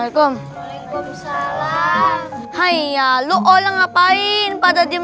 ira agreng sakit kok ya kamu